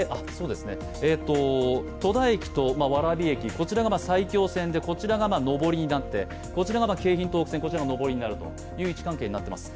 戸田駅と蕨駅、こちらが埼京線でこちらが上りになって、こちらが京浜東北線の上りになるという位置関係になっています。